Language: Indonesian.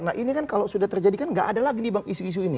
nah ini kan kalau sudah terjadi kan nggak ada lagi nih bang isu isu ini